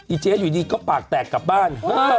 เจ๊อยู่ดีก็ปากแตกกลับบ้าน